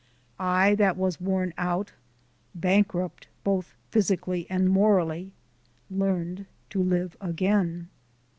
I that was worn out, bankrupt both physically and morally, learned to live again.